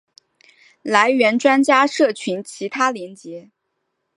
来源专家社群其他连结